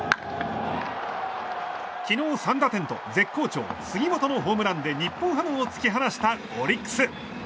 昨日３打点と絶好調、杉本のホームランで日本ハムを突き放したオリックス。